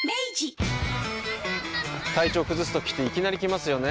体調崩すときっていきなり来ますよね。